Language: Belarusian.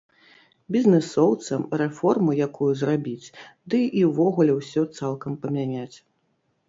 Бізнэсоўцам рэформу якую зрабіць, ды і ўвогуле ўсё цалкам памяняць.